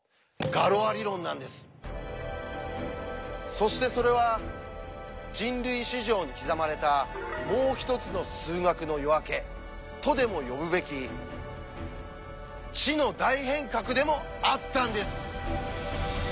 そしてそれは人類史上に刻まれた「もう一つの数学の夜明け」とでも呼ぶべき「知の大変革」でもあったんです。